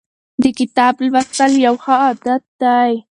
د کتاب لوستل یو ښه عادت دی.